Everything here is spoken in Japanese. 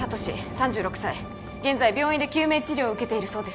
３６歳現在病院で救命治療を受けているそうです